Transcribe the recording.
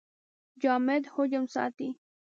جامد حجم ساتي.